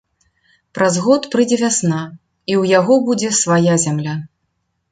Праз год прыйдзе вясна, і ў яго будзе свая зямля.